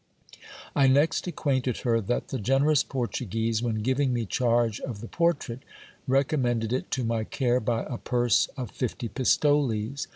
I next acquainted her that the generous Portuguese, when giving me charge of the portrait, recommended it to my care by a purse of fifty pistoles.